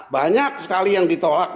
banyak sekali yang ditolak